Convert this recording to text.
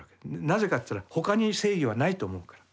なぜかといったら他に正義はないと思うから。